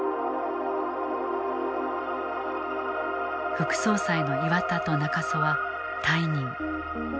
副総裁の岩田と中曽は退任。